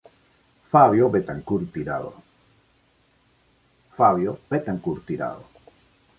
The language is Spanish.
Fabio Betancur Tirado.